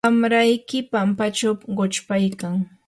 wamrayki pampachaw quchpaykan.